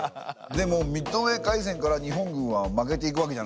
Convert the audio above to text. でもミッドウェー海戦から日本軍は負けていくわけじゃないですか。